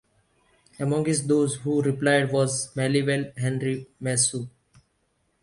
Amongst those who replied was Melville Henry Massue.